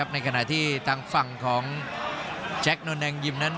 ในขณะที่ทางฝั่งของแจ๊คนแดงยิมนั้น